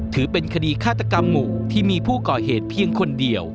ถือเป็นคดีฆาตกรรมหมู่ที่มีผู้ก่อเหตุเพียงคนเดียว